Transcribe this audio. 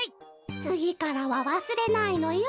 つぎからはわすれないのよ。